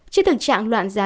trên tường trạng loạn giá